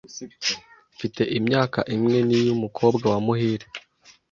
Mfite imyaka imwe niyumukobwa wa Muhire.